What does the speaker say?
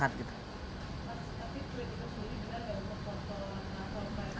mas tapi politik sendiri bukan untuk popo ratna sel white